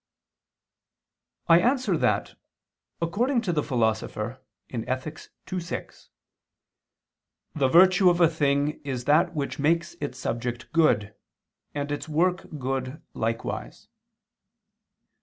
I answer that, According to the Philosopher (Ethic. ii, 6) "the virtue of a thing is that which makes its subject good, and its work good likewise."